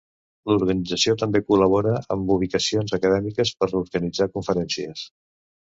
L'organització també col·labora amb ubicacions acadèmiques per organitzar conferències.